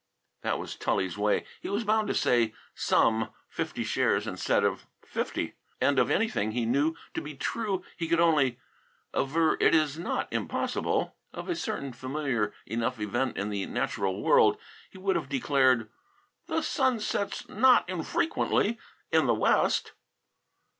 That was Tully's way. He was bound to say "some" fifty shares instead of fifty, and of anything he knew to be true he could only aver "it is not impossible." Of a certain familiar enough event in the natural world he would have declared, "The sun sets not infrequently in the west."